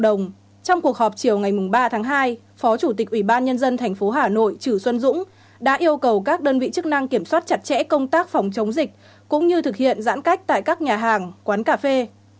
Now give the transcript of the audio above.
trong cuộc họp chiều ngày ba tháng hai phó chủ tịch ủy ban nhân dân tp hà nội trừ xuân dũng đã yêu cầu các đơn vị chức năng kiểm soát chặt chẽ công tác phòng chống dịch cũng như thực hiện giãn cách tại các nhà hàng quán cà phê